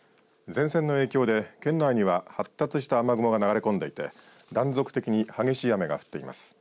前線の影響で県内には発達した雨雲が流れ込んでいて断続的に激しい雨が降っています。